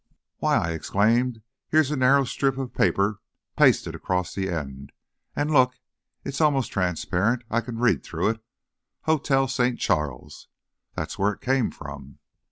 "Why," I exclaimed, "here's a narrow strip of paper pasted across the end, and look, it's almost transparent! I can read through it 'Hotel St. Charles!' That's where it came from!"